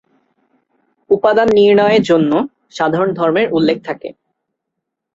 উপাদান নির্ণয়ে জন্য সাধারণ ধর্মের উল্লেখ থাকে।